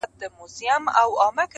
خوله یې ډکه له دعاوو سوه ګویان سو!!